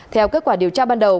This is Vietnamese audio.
theo kết quả điều tra ban đầu